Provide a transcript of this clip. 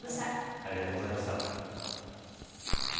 村山さんありがとうございました。